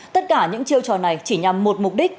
tất cả những chiêu trò này chỉ nhằm một mục đích